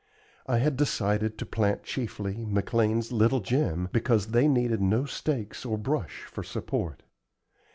I had decided to plant chiefly McLean's Little Gem, because they needed no stakes or brush for support.